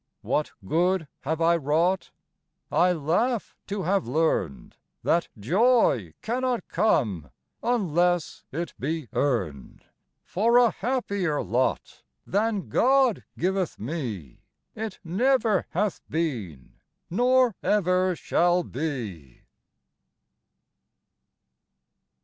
What good have I wrought? I laugh to have learned That joy cannot come Unless it be earned; For a happier lot Than God giveth me It never hath been Nor ever shall be.